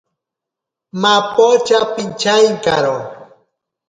Mapocha pichaenkaro.